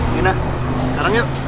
dina sekarang yuk